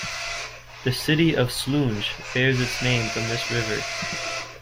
The city of Slunj bears its name from this river.